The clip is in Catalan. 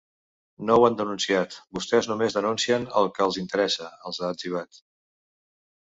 No ho han denunciat, vostès només denuncien el que els interessa, els ha etzibat.